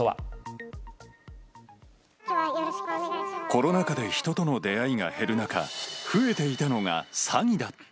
コロナ禍で人との出会いが減る中、増えていたのが詐欺だった。